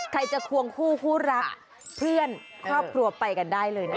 ใครจะควงคู่คู่รักเพื่อนครอบครัวไปกันได้เลยนะคะ